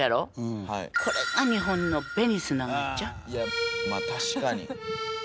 いやまあ確かに。